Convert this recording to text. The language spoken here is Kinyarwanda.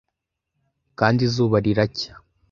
kandi izuba riracya